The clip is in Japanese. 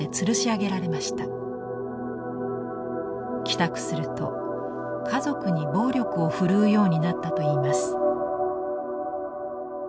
帰宅すると家族に暴力を振るうようになったといいます。